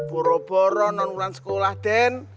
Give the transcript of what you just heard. boroboro non wulan sekolah den